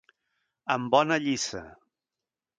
En bona lliça.